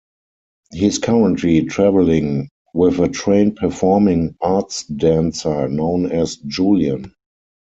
He is currently traveling with a trained performing arts dancer known as Julian.